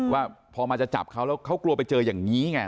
ว่าพอมาจะจับเขาแล้วเขากลัวไปเจออย่างนี้ไง